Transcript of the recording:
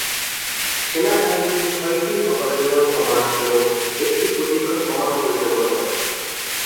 সেনাবাহিনী ছয়টি operational command এবং একটি প্রশিক্ষণ কমান্ড পরিচালনা করে।